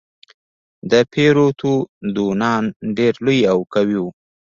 ديپروتودونان ډېر لوی او قوي وو.